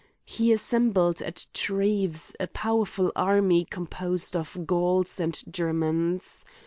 He assem bled at Treves a powerful army composed of Gauls and Germans.